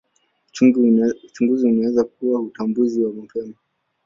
Uchunguzi unaweza kuleta utambuzi wa mapema.